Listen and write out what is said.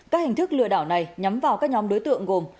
các hình thức lừa đảo này nhắm vào các nhóm đối tượng gồm